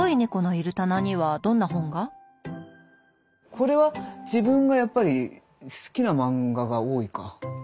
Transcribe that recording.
これは自分がやっぱり好きな漫画が多いか。